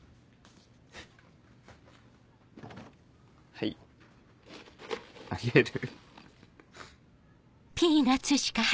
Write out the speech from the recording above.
はいあげる。